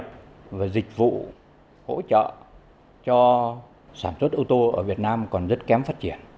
công nghiệp và dịch vụ hỗ trợ cho sản xuất ô tô ở việt nam còn rất kém phát triển